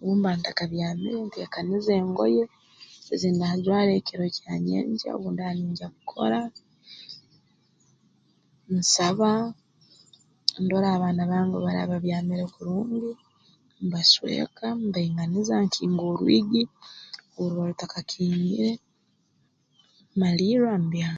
Obu mba ntakabyamire nteekaniza engoye ezi ndaajwara ekiro kya nyenkya obu ndaaba ningya kukora nsaba ndora abaana bange obu baraaba babyamire kurungi mbasweka mbainganiza nkinga orwigi obu ruba rutakakingire mmalirra mbyama